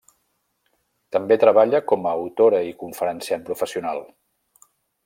També treballa com a autora i conferenciant professional.